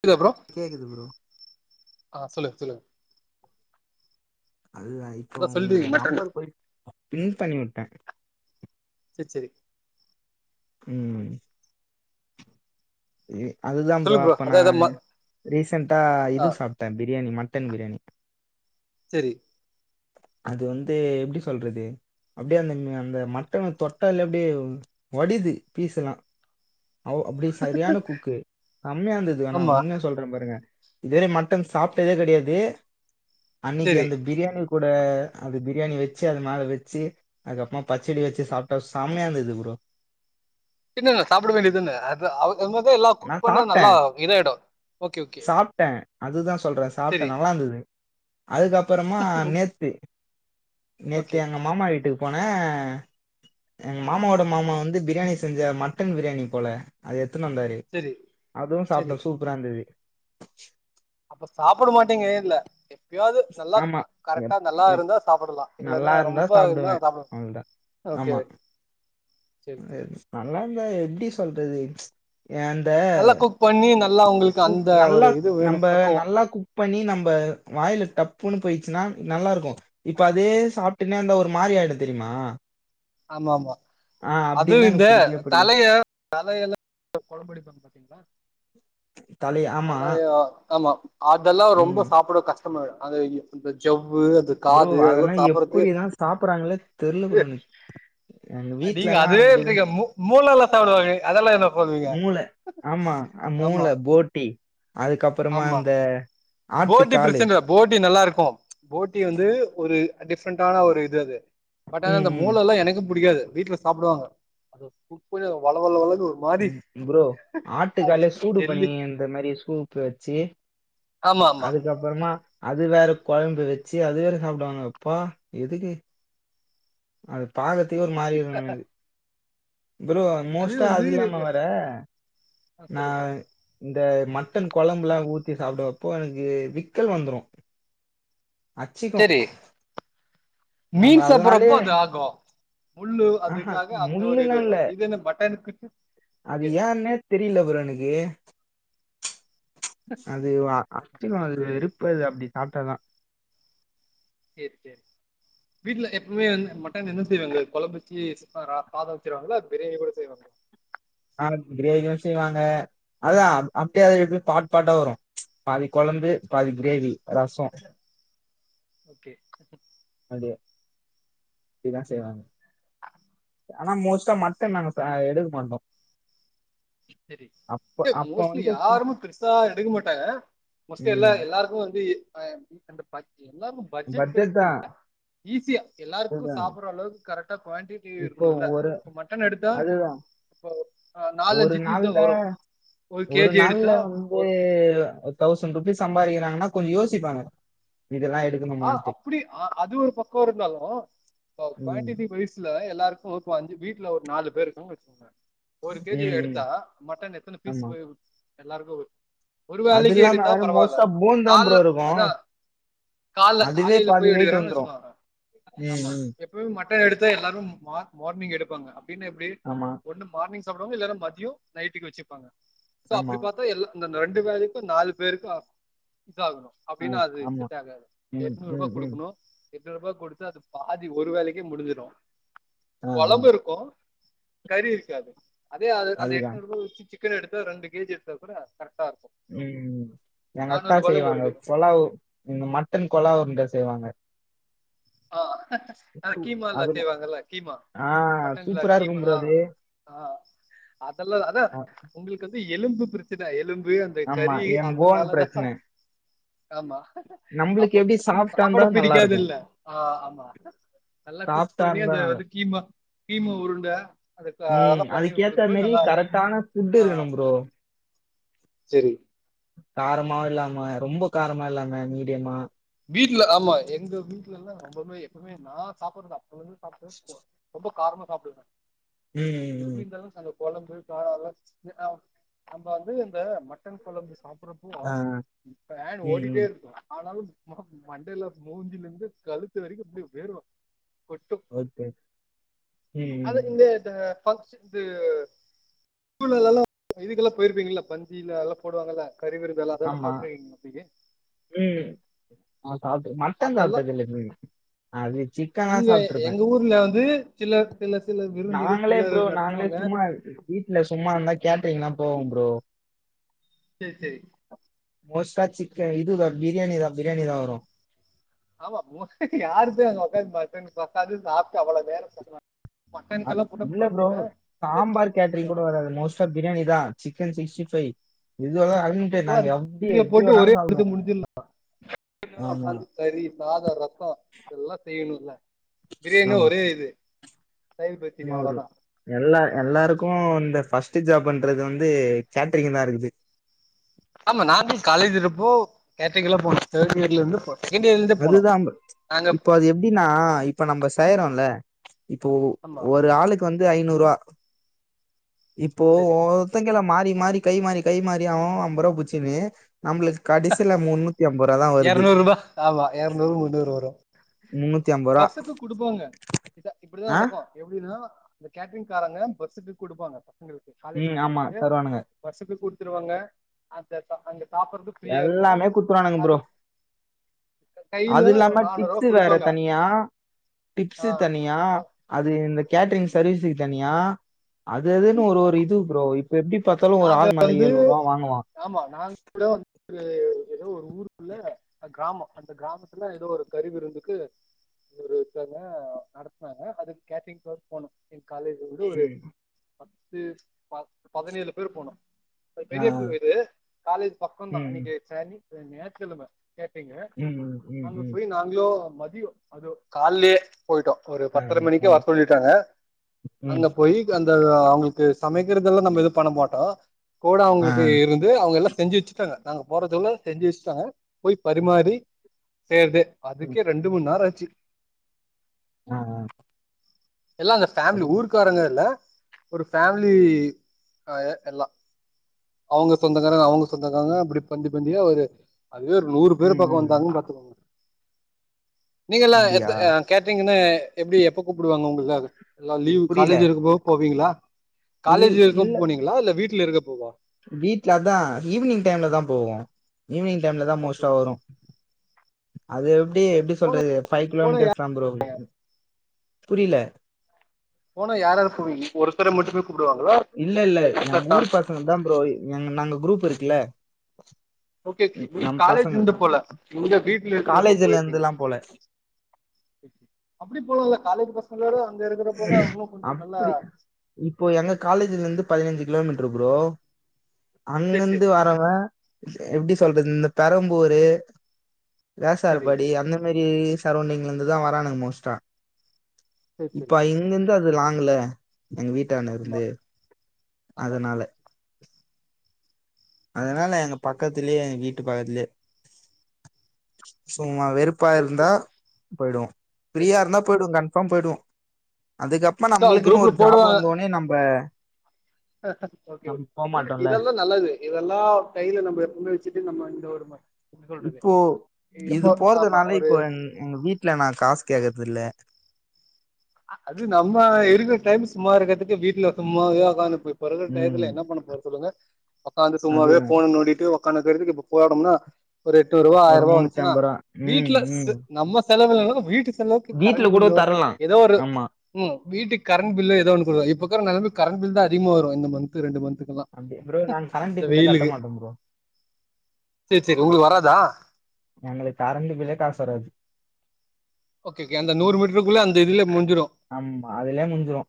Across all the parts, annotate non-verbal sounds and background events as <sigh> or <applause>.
புரில ப்ரோ கேக்குது ப்ரோ ஆஹ் சொல்லுங்க சொல்லுங்க அது தா இப்போ அதா உங்க சொல்றீங்க மட்டன் நம்பர் போய் பின் பண்ணி விட்டே செரி செரி உம் ஏ அதுதா ப்ரோ சொல்லுங்க அப்ப அதா நா அதா ம ரீசெண்ட்டா ஆ இது சாப்ட்டே பிரியாணி மட் டன் பிரியாணி செரி அது வந்து எப்டி சொல்றது அப்டியே அந்த அந்த மட்டன் தொட்டாலே அப்டியே வடிது பீஸ்ஸெல்லா சரியான குக்கு செம்மயா இருந்தது வேணா ஆமா உண்மையிலே சொல்றே பாருங்க இதுவரையு மட்டன் சாப்ட்டதே கெடையாது அன்னிக்கு சேரி அந்த பிரியாணி கூட அது பிரியாணி வச்சு அது மேல வச்சு அதுக்கப்றமா பச்சடி வச்சு சாப்ட்டா செம்மயா இருந்தது ப்ரோ பின்ன சாப்ட வேண்டியது தானே அது அவு அது மாதிரி தா எல்லா நா குக் பண்ண சாப்ட்டே நல்லா இதாயிடு ஓக் ஓகே அது தா சொல்றே சாப்ட்டே சேரி நல்லாருந்தது அதுக்கப்றமா ஓகே நேத்து நேத்து ஓகே எங்க மாமா வீட்டுக்கு போனே ஆஹ் எங்க ஓகே மாமாவோட மாமா வந்து பிரியாணி செஞ்ச மட்டன் பிரியாணி போல அது எத்துனு வந்தாரு சேரி அதுவு சேரி சாப்ட்டே சூப்பரா இருந்தது அப்ப சாப்ட மாட்டீங்க இல்ல எப்பயாஅது நல்லா ஆமா. எப் கரெக்டா நல்லா எப் இருந்தா சாப்படலா நல்லா இல்லன்னா ரொம்ப இருந்தா சாப்பிடுவேன். சாப்பிட ஓகே சேரி சேரி அது நல்ல <unintelligible> எப்படி சொல்றது அந்த நல்லா குக் பண்ணி நல்லா உங்களுக்கு குக் அந்த நல்லா ஒரு இது வேணு நம்ம பக்குவோ நல்லா குக் பண்ணி நம்ம வாயில டப் <inaudible> போயிச்சுன்னா நல்லாயிருக்கோ இப்ப அதே சாப் தின்னா இருந்தா ஒரு மாரி ஆயிடோ தெரியுமா ஆமா ஆமா ஆ அது அப்டின்னா இந்த எனக்கு புடிக்கவே புடிக்காது. தலைய தலையல்ல குழபடிப்பு பாத்தீங்களா தலை ஆமா தலையா ஆமா அதெல்லா ரொம்ப ம் சாப்பட கஷ்ட ஆமா அந்த இ ஜவ் ப்ரோ அதெல்லா எப்படிதா சாப்பறாங்களே தெர்ல ப்ரோ எனக்கு எங்க நீங்க வீட்ல எல்லா அதே அப்படிதா எடுத்துக்க மூக் மூக் மூலல்லா சாப்டுவாங்க மூள ஆமா மூள ஆமா போட்டி அதுக்கப்பறமா ஆமா இந்த ஆட்டுக்காளு போ போட்டி வந்து ஒரு டிஃப்ரெண்ட ஆன ஒரு இது அது பட்ட ம் அந்த ம் மூலலா எனக்கு பிடிக்காது வீட்ல சாப்டுவாங்க அது <inaudible> வள வள வ ப்ரோ ஆட்டுக்காலே சூடு பன்னி ஜெல்லி இந்தந்த மாரி சூப்பு வச்சு ஆமா ஆமா அதுக்கப்றமா அது வேற கொழம்பு வச்சி அது வேற சாப்டுவாங்க அப்பா எதுக்கு <inaudible> பாக்றதுகே ஒரு மாறி <unintelligible> ப்ரோ மோஸ்ட்டா அது இல்லாம வர ஆ, நா சொல்லுங்க இந்த மட்டன் கொழம்புல்லா ஊத்தி சாப்டுவப்போ எனக்கு விக்கல் வந்துரு அட்சிக்கு சரி மீன் சப்புரப்போ அது ஆகு முள்ளு ஆஹா அதுக்காக அந்த ஒரு இது முள்ளுலா இல்ல வரும் இது என்ன மட்டனுக்கு அது ஓகே ஏன்னே தெரியல ப்ரோ எனக்கு அது <unintelligible> அது சரி வெறுப்பது அப்டி சாப்ப அதா செரி செரி வீட்ல எப்பவுமே வந் மட்டன் என்ன செய்வாங்க? கொழம்பு ஊத்தி சாதம் வச்சிருவாங்ளா? கிரேவி கூட செய்வாங்ளா? ஆஹ் கிரேவியும் செய்வாங்க. அதா அப்டியே அதை எழுப்ப பாட் பாட்டா வரும். பாதி கொழம்பு, பாதி கிரேவி, ரசம் ஓகே இதா செய்வாங்க ஆனா மோஸ்ட்டா மட்டன் நாங்க சா எடுக்க மாட்டோ. செரி அப்ப ஏ அப்ப மோஸ்ட்லி வந்து யாரும் பெருசா எடுக்க மாட்டாங்க மோஸ்ட்லி எல்லா ம் எல்லாருக்கு வந்து ஆஹ் ரெண்டு பாக்கி எல்லாருக்கு பட்ஜெட் பிக்ஸ் இல்ல ஈஸியா எல்லாருக்கு அதுதா சாப்ட்ற அளவுக்கு கரெக்ட் குவான்டிட்டி இப்போ இருக்கணும் இல்ல ஒரு மட்டன் எடுத்தா அதுதா இப்பொ ஒரு நாலஞ்சி நாள்ல ஒரு நாள்ல வந்து ஒரு ஒரு தௌசண்ட் ருபீஸ் சம்பாதிக்கிறாங்ன்னா கொஞ்சம் யோசிப்பாங்க இதெல்லா ஆஹ் எடுக்கணுமான்ட்டு அப்டி அது ஒரு பக்கம் இருந்தாலு ம் குவாண்டிட்டி வைசுல எல்லாருக்கு <unintelligible> வீட்ல ஒரு நாலு பேருக்கூ. ஒரு ம் கேஜிய ம் எடுத்தா மட்டன் எத்தன பீஸ் போய்கு எல்லாருக்கு ஒ அதுல்லாம வேற மோஸ்ட்டா போன் தா ப்ரோ இருக்கும் கால்ல அதுவே காலைல பாதி போய் வெயிட் எடுக்கிறாங் வந்துரும். வச்சுக்வாங்க ம், ஆமா ம். எப்பவும் மட்டன் எடுத்தா எல்லாரும் மா மார்னிங் எடுப்பாங்க பின் எப்டி ஆமா, ஒன்னு மார்னிங்ஸ் சாப்டுவாங்க இல்லன்னா மதியொம் நைட்டுக்கு வச்சிர்ப்பாங்க ஸோ ஆமா. அப்டி பாத்தா எல்லா அந்தந்த ரெண்டு வேலக்கும் நாலு பேருக்க தா ஆகும் அ, அப்டினா அது ஆமா. செட் ஆகாது ம், எட்நூறுபா ம், ம். குடுக்குணும் எட்நூறுபா குடுத்து அது பாதி ஒரு வேலக்கே முடிஞ்சிரும் ஆ, ஆ. கொலம்பு இருக்கும் கறி இருக்காது அதே அது அந்த அதுதான். எட்டுநூறுபாவ வச்சி சிக் க்கன் எடுத்தா ரெண்டு கேஜி எடுத்தா கூட கர ம் எங்க அக்கா ரூபாயில செய்வாங்க முடிஞ்சிடும் பொலாவு இந்த மட்டன் கொலா உருண்ட செய்வாங்க ஆஹ் அத சு கீமால்ல அதுல செய்வாங்கல்ல கீமா ஆ மட்டன்ல சூப்பரா கீம் இருக்கும் ப்ரோ ஆஹ் அது. ஆஹ் அதல்லா அதா அ, ஒங்ளுக்கு வந்து இ எலும்பு ப்ருச்சுதா எலும் பு அந்த ஆமா. கறி என் போன் அதுனாலதா பிரச்சனை. ஆமா நம்மளுக்கு எப்டி <unintelligible> சாஃப்ட்டா இருந்தா சாப்பட நல்லா இருக்கும். பிரிக்காதுல்ல ஆ ஆமா நல்லா குக் சாஃப்ட்டா பண்ணி இருந்தா அது நல்லா வந்து கீமா கீம உருண்ட ம் அதுக்கேத்த மேரி கரெக்டான ஃபுட் இருக்குணும் ப்ரோ சேரி காரமாவு இல்லாம ரொம்போ காரமா இல்லாம மீடியமா வீட்ல ஆமா எங்க வீட்லலா ரம்பபோய் எப்பமேனா சாப்பாடுதா <inaudible> காரமா சாப்டுவன் ம், ம், ம். எப்டி இருந்தாலும் சகப் கொலம்பு காறொல்லாம் <unintelligible> நம்ப அது எந்த மட்டன் கொலம்பு சாப்புறப்போ ஆ ஃபேன் ம், ம். ஓடிட்டேருக்கும் ஆனாலும் மண்டேல மூஞ்சிலருந்து கழுத்து வரிக்கும் அப்டே வேகும் கொட்டும் ஓகே. ம், அது ம், ம். இந்த <unintelligible> கறிவிருந்தெல்லாம் ஆமா. சாப்ட்ருவீங்கக்கே அ அது மட்டன் சாப்டதில்ல வி அது சிக்கனா இங்க சாப்ட்டுருப்பேன். எங்க ஊர்ல வந்து சில சில சில விருந்துக சில நடத்துவாங்க இல்ல சும்மாருந்தா கேட்டீரிங்னா போகும் ப்ரோ சேர் சேரி மோஸ்டா சிக்கன் இதுதா பிரியாணி தா பிரியணிதா வரும் <unintelligible> அ மட்டனுக்கெல்லாம் போட்ட இல்ல ப்ரோ பதில அந்த சாம்பார் கேட்ரிங் கூட வராது மோஸ்டா பிரியாணி தா சிக்கன் சிஸ்டி ஃபை அப்ப்பாது பிரிய போட்டு ஒரே வேணாலும் எடத்து சாப்டுவோம். முடிஞ்சிடலாம் ஆமா, கறி சாதம் ரசம் இதெல்லாம் செய்யணும்ல பிரியாணினா ஒரே இது தயிர் பச்சடி மாரு அவ்வளவுதான் எல்லா எல்லாருக்கும் இந்த ஃபர்ஸ் ஜாப் பண்றது வந்து கேட்ரிங் தான் இருக்குது ஆமா நானும் காலேஜ் இருப்போ கேட்ரிங் எல்லா போனும் தேர்ட் இயர்லந்து போனு அதுதா போ இப்போ அது எப்டின்னா இப்ப நம்ம செய்யறோம்ல இப்போ ஆமா ஒரு ஆளுக்கு வந்து து ஐநூரூவா இப்போ சரி ஒருத்தங்களாம் மாறி மாறி கை மாறி கை மாறி அவன் அவன் அம்பது ரூபா புச்சுனு நம்பலுக்கு கடசில ஒண்ணு நூத்தி அம்பது ரூபா தான் வருது இரநூறு ரூபாய் ஆமா இரநூறு முனனூறு வரும் முன்னூத்தி ஐம்பது ரூவா பஸ்சுக்கு குடுப்போங்க இத இப்படித்தான் ஆ நடக்கும் எப்படின்னா இந்த கேட்டரிங்காரங்க பஸ்ஸுக்கு குடுப்பாங்க காலேஜ் ம் ஆமா பசங்கள்ளுக்கு தருவானுங்க வருஷத்து கூடு ருவாங்க அந்த அந்த எல்லாமே குத்துறோனுங்க ப்ரோ கையில அது இல்லாம நானூறு ரூபா டிப்ஸ்சு வேற குடுப்பாங்க தனியா ஆ டிப்ஸு தனியா அது இந்த கேட்ரிங் ஆமா சர்வீஸக்கு தனியா அது அதுன்னு ஒரு ஒரு இது ப்ரோ இப் நாங்க வந்து ஆமா நாங்க கூட வந்து ஒரு ஏதோ ஒரு ஊர்குல்லா கிராமோ அந்த கிராமத்துல ஏதோ ஒரு கருவி இருந்துக்கு ஒருதங்க நடத்துனாங்க அதுக்கு கேட்டரிங் கிளாஸ் போனும் காலேஜ் வந்து ஒரு ம் பத்து பதினேழு பேர் போணோ ஆ பெரிய பூது காலேஜ் பக்கம்தான் ம் அன்னைக்கு சனி ச ஞாயித்து கெலம கேட்டீங்க ம் ம் ம் ம் அங்க ம் போய் நாங்களோ மதியோ அது கால்லைஏ போயிட்டோம் ஒரு ஆ பத்தர மணிக்கே ஆ வர சொல்லிட்டாங்க ம் அங்க போய் அந்த அவங்களுக்கு சமைக்கிறதெல்லாம் நம்ம இது பண்ண மாட்டோம் ஆ கோட ஆ அவங்களுக்கு இருந்து அவங்க எல்லாம் செஞ்சு வச்சுட்டாங்க நாங்க போறதுள்ள செஞ்சு வச்சட்டாங்க போய் பரிமாறி செய்யறதே ம் அதுக்கே ரெண்டு மணிநேரம் ஆச்சு ஆ ஆ எல்லாம் அந்த ஃபேமிலி அது ஊருக்காரங்க இல்ல ஒரு ஃபேமிலி அ எ எல்லாம் அவங்க சொந்தக்காரங்க அவங்க சொந்தக்கங்க அப்டி பந்தி பந்தியா ஒரு அதுவே ஒரு நூறு ம் பேர் பாக்க ம் ம் வந்தாங்க பாத்துக்கோங்க. நீங்கலா அப்டியா எத்த கேட்டிரிங்குனு எப்டி எப்ப கூப்டுவாங்க உங்களுக்காக எல்லா லீவ் புரில காலேஜிருக்கும் போது போவீகளா? காலேஜிருக்கோனு போனீங்களா இல்ல வீட்ல இருக்கப்போவா வீட்லதான் ஈவ்னிங் டைம்ல தா போவோம். ஈவ்னிங் டைம்ல தா ஓகே மோஸ்ட்டா ஓகே வரும். அது ப்டி எப்டி போன சொல்றது ஃபைவ் போன கிலோமீட்டர்ஸ் தா ப்ரோ புரில போனா யாரார் போவிங்க‌ ஒருத்தர மட்டு இல்ல இல்ல எங்க ஊரு பசங்க தா ப்ரோ எ நாங்க க்ரூப்பிருக்குல ஓக்கே ஜி காலேஜ்லிந்து போல இவுங்க வீட்லருந்து அப்ப காலேஜ்ல பொயிற்க்கீங்க இருந்துலா போல அப்டி போல காலேஜு‌ பஸ் <unintelligible> ஹே அப்டி இப்ப எங்க காலேஜுலந்து பதினெஞ்சு கிலோமீட்டர் ப்ரோ அங்கந்து சேரி வரவ எப்டி சொல்றது இந்த பெரம்பூரு சேரி சரி வேசாறுபாடி அந்த மாரி சரௌண்டிங்லிந்து தான் வரானுங்க மோஸ்டா சரி சரி இப்ப இங்கிந்து அதுலா க்ள எங்க ஆமா வீட்டானிருந்து ஆமா அதனால அதனால எங்க பக்கத்துலயே எ வீட்டு பக்கத்துலயே சொ அமா வெறுப்பா சரி இருந்தா சரி பொய்டுவோம் சரி ஃப்ரீயா சரி இருந்தா பொய்டுவோ மாம் <unintelligible> அதுக்கப்ப சோ அவங்க நம்முளுக்குன்னு ஒரு ஜாப் வந்தோனே நம்ப <unintelligible> க்கே நம்ம இ போமாட்டோம்ல இதாது நல்லது இதெல்லா கைல நம்ம எப்பமே வச்சுட்டு நம்ம இந்த ஒரு முறை இப்போ இது ஆமா போறதுனால ஒரு இப்போ எங் எங்க வீட்ல நா காஸ் கேக்றது இல்ல அ அது நம்ம இருக்கர் டைம்ஸ் மாருக்கறதுக்கு வீட்ல சும்மாவே உக்காந்து போய் பழகர் டையத்துல ம் என்ன பண்ண போற சொல்லுங்க உக்காந்து சும்மாவே அதுதா போன நோண்டிட்டு உக் கணக்கெடுக்குக்கு இப்ப போனோம்னா ஒரு எட்ணூரு ரூபா ஒரு ஆயிர் ரூபா முன்னூத்தி வந்ச்சுனா ஐம்பது ரூபா ம் வீட்டுல ம் ஸ் நம்ம செலவிலேனாலு வீட்டு ச் வீட்ல கூட தர்லா ஏதோ ஒரு உம் வீட்டுக் கரண்ட் பில்லு ஏதோ ஒண்ணு போடுவாங் இப்பொக்கர நெலமைக் கரண்ட் பில் தா அதிகமா வரு இந்த மந்த் து ரெண்டு மந்த் அப்டியா ப்ரோ நாங்க கரண்ட் பில்ல கட்ட மாட்டோ ப்ரோ சேரி சேரி உங்குளுக்கு வராதா எஙகுளுக்கு கரண்ட் பில்லே காஸ் வராது ஓக்கேகே அந்த நூறு மீட்ருக்குள்ள அந்த இதிலே ஆம்மா அதுலே முஞ்சிரு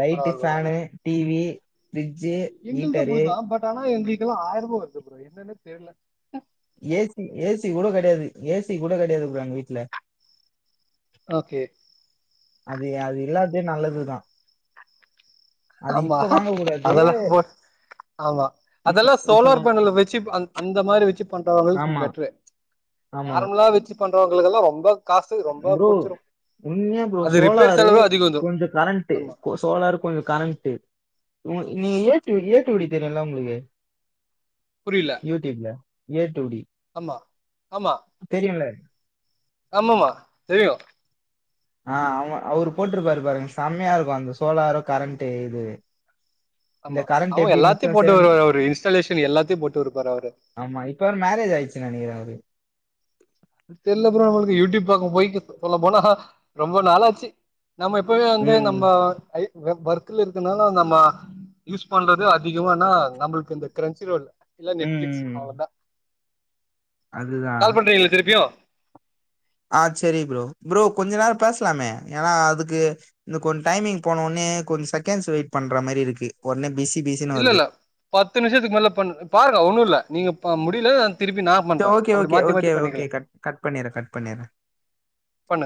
லைட்டு பரவால்ல ஃபேனு டிவி ஃப்ரிட்ஜு எங்கெள்து ஹீட்டரு அப்டிதா பட் ஆனா எங்குளுக் இங்கெல்லா ஆயர் ரூபா வருது ப்ரோ என்னனே தெர்ல ஏசி ஏசி கூட கெடையாது ஏசி கூட கெடையாது ப்ரோ அங்க வீட்ல ஓக்கே அதே அது இல்லாததே நல்லதுதா அது ஆம்மா இப்ப வாங்க கூடாது அதெல்லா போ ஆம்மா இப்ப அதெல்லா இப்ப நா சோலார் பேனல்ல வச்சு அந் அந்த மாத்ரி வச்சு பண்றவங்களுக்கு ஆமா பெட்ரு ஆமா நார்மலா வச்சு பண்றவங்களுக்குெல்லாம் ரொம்ப காசு ரொம்ப ப்ரோ புடிச்சிரு உண்மையா ப்ரோ அது ரிப்பேர் சோலாரு செலவு அதிக வந்துரு கொஞ்சோ கரண்ட்டு ஆமா ஒ சோலரு கொஞ்சோ கரண்ட் டு உ நீ ஏட்டு ஏ டு டி தெரியுல்ல உங்குளுக்கு புரியல யூடியூப்ல ஏ டு டி ஆமா ஆமா தெரியுல்ல ஆமாம தெரியு ஆ அவங்க அவரு போட்ருப்பாரு பாருங்க செம்மயா இருக்கு அந்த சோலாரு கரண்ட்டு இது இந்த ஆம்மா கரண்ட் அவர் எப்டி எல்லாத்தை மிச்சம் போட்டோ சேம் எடுப்பாரு அவரு இன்ஸ்டாலேஷன் எல்லாத்தை போட்டோ எடுப்பாரு அவரு ஆமா இப்ப வேற மேரேஜ் ஆயிடுச்சுன்னு நெனைக்கிறே அவருக்கு தெர்ல ப்ரோ அவங்குளுக்கு யூடியூப் பக்கோ போய்ட் சொல்ல போனா ரொம்ப நாளாச்சு நம்ம எப்வுமே வந்து ம் நம்ம <unintelligible> இருக்கனாலு நம்ம யூஸ் பண்றது அதிகமா னா நம்ளுக்கு ந்த கிரெஞச் ரோல் இல்ல நெட்ஃப்ளிக்ஸ் அவ்ளதா அதுதா வி வா ஆஹ் செரி புரோ புரோ கொஞ்ச நேரோ பேஸ்லாமே ஏனா அதுக்கு இந்த கொஞ் டைமிங் போனோ னே கொஞ் செக்கெண்ட்ஸ் வெயிட் பண்ற மாரி ருக்கு ஒடனே பிஸி பிஸின்னு இல்ல வருது ல்ல பத்து நிமிஷத்துக் மேல பண்ண பாருங்க ஒண்ணு ல்ல நீங்கப்ப முடில ஓகே ஓகே ஓகேஓகே கட் பண்ணிறே கட் பண்ணிறே பண்ணுங்க